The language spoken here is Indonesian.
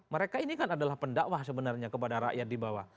mereka ini kan adalah pendakwah sebenarnya kepada rakyat di bawah